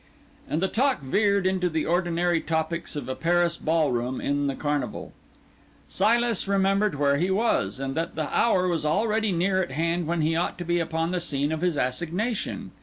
And the talk veered into the ordinary topics of a Paris ballroom in the Carnival. Silas remembered where he was, and that the hour was already near at hand when he ought to be upon the scene of his assignation.